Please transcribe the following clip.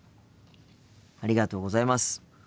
ありがとうございます。